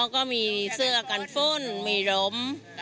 ก็มีเสื้อกันฝนมีล้ม